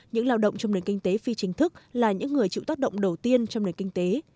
những lao động trong nền kinh tế phi chính thức là những người chịu tác động đầu tiên trong nền kinh tế